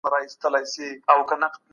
مه پرېږدئ چې تصادف ستاسې ملګري وټاکي.